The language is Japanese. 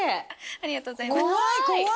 ありがとうございます。